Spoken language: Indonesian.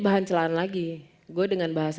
bahan celahan lagi gue dengan bahasa